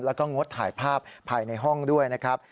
แล้วก็งดถ่ายภาพภายในห้องด้วยนะครับ